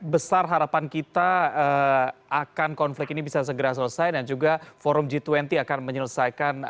besar harapan kita akan konflik ini bisa segera selesai dan juga forum g dua puluh akan menyelesaikan